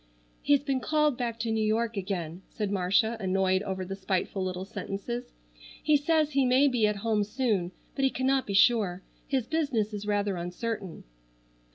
"He's been called back to New York again," said Marcia annoyed over the spiteful little sentences. "He says he may be at home soon, but he cannot be sure. His business is rather uncertain."